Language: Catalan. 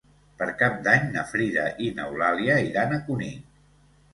Per Cap d'Any na Frida i n'Eulàlia iran a Cunit.